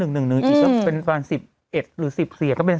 อีกก็เป็นฝ่ายรัฐสิบเอ็ดหรือ๑๐เสียก็เป็น๓๘๐